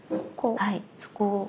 はいそこを。